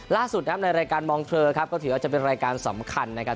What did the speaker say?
ล่าสุดนะครับในรายการมองเทอร์ครับก็ถือว่าจะเป็นรายการสำคัญนะครับ